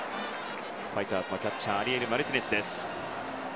ファイターズのキャッチャーアリエル・マルティネスです。